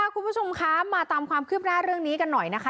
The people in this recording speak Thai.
คุณผู้ชมคะมาตามความคืบหน้าเรื่องนี้กันหน่อยนะคะ